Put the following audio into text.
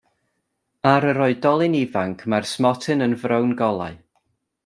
Ar yr oedolyn ifanc mae'r smotyn yn frown golau.